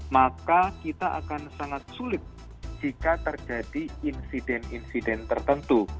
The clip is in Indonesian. maka kita akan sangat sulit jika terjadi insiden insiden tertentu